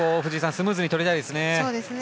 スムーズに取りたいですね。